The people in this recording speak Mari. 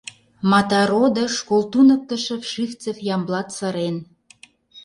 Матародо школ туныктышо Вшивцев Ямблат сырен.